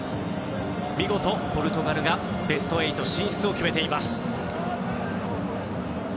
見事、ポルトガルがベスト８進出を決めています。